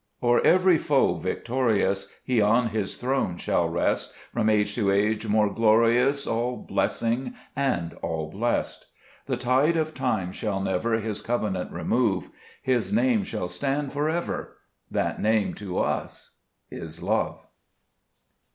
5 O'er every foe victorious, He on His throne shall rest, From age to age more glorious, All blessing and all blest : The tide of time shall never His covenant remove, His Name shall stand for ever, — That Name to us is Love.